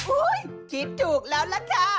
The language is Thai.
โอ๊ยคิดถูกแล้วละค่ะ